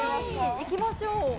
行きましょう。